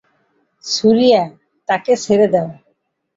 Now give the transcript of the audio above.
সুরিয়া, তাকে ছেড়ে দাও।